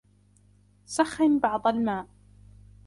سخن بعض الماء